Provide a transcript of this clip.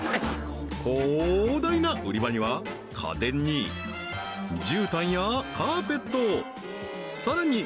広大な売り場には家電にじゅうたんやカーペットさらに